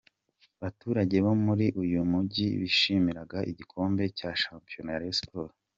baturage bo muri uyu mujyi bishimiraga igikombe cya shampiyona Rayon sport.